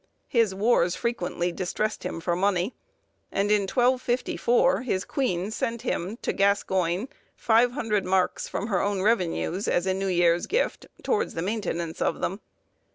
His wars frequently distressed him for money, and in 1254, his queen sent him, to Gascoigne, 500 marks from her own revenues, as a New Year's Gift, toward the maintenance of them.